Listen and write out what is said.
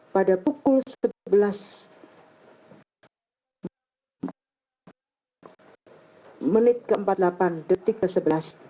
pada pukul sebelas empat puluh delapan detik ke sebelas